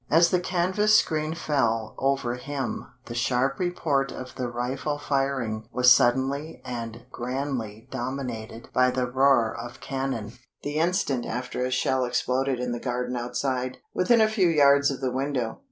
As the canvas screen fell over him the sharp report of the rifle firing was suddenly and grandly dominated by the roar of cannon. The instant after a shell exploded in the garden outside, within a few yards of the window.